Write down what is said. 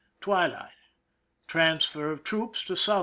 TwUight. Transfer of troops to S<i.